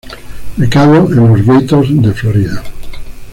Becado en los Gators de Florida.